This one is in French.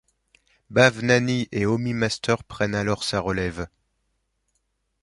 Bhavnani et Homi Master prennent alors sa relève.